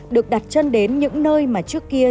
được đặt chân đến những nơi mà trước kia